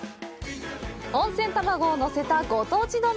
温泉卵をのせたご当地丼！